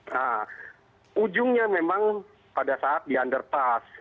nah ujungnya memang pada saat di underpass